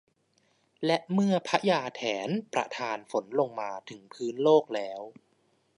และเมื่อพญาแถนประทานฝนลงมาถึงพื้นโลกแล้ว